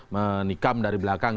menikam dari belakang